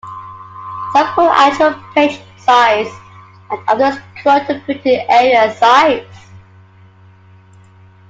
Some quote actual page size and others quote the "printed area" size.